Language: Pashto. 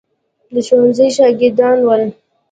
د ښوونځي شاګردان ول.